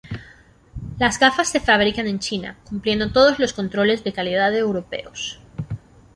Las gafas se fabrican en China cumpliendo todos los controles de calidad europeos.